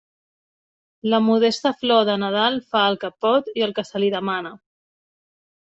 La modesta flor de Nadal fa el que pot i el que se li demana.